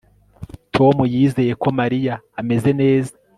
Tom yizeye ko Mariya ameze neza